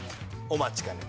お待ちかね。